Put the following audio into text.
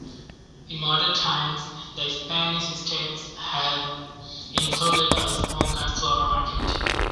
In modern times the Spanish Steps have included a small cut-flower market.